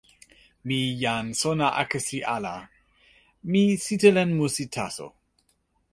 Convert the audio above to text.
mi jan sona akesi ala. mi sitelen musi taso.